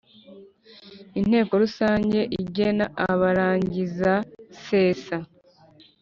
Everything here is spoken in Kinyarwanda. Inteko rusange igena abarangizasesa